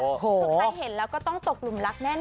คือใครเห็นแล้วก็ต้องตกหลุมรักแน่นอ